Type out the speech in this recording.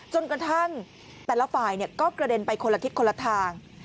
จนกระทั่งแต่ละฝ่ายก็กระเด็นไปคนละทิศคนละทาง